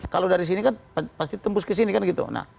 kalau dari sini kan pasti tembus ke sini kan gitu